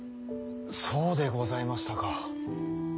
そうでございましたか。